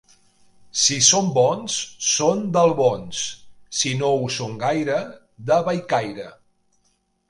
Si són bons són d'Albons; si no ho són gaire, de Bellcaire.